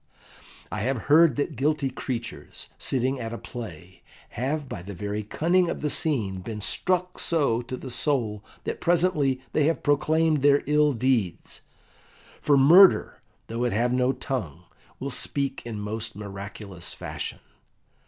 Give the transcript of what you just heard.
I have heard that guilty creatures, sitting at a play, have by the very cunning of the scene been struck so to the soul that presently they have proclaimed their ill deeds; for murder, though it have no tongue, will speak in most miraculous fashion.